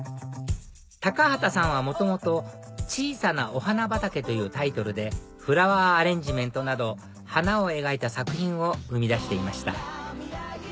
畑さんは元々「小さなお花畑」というタイトルでフラワーアレンジメントなど花を描いた作品を生み出していました